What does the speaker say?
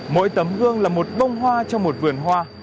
mỗi tấm gương là một bông hoa cho một vườn hoa